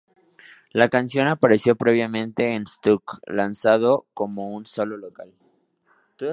La canción apareció previamente en Stuck, lanzado como un solo local.